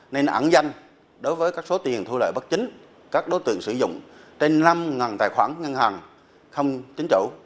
nên ẵn danh đối với các số tiền thu lợi bất chính các đối tượng sử dụng trên năm tài khoản ngân hàng không chính chủ